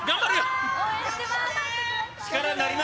応援してます。